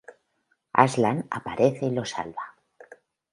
Aslan aparece y lo salva.